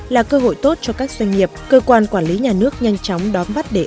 là cơ hội tốt cho các doanh nghiệp cơ quan quản lý nhà nước nhanh chóng đón bắt để